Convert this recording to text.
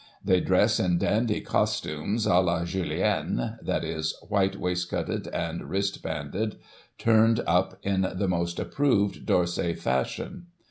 They dress in dandy costume, d la Jullien — that is, white waistcoated and wristbanded, turned up in the most approved D'Orsay fashion.